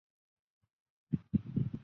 不过它在阿拉伯语中的发音则是。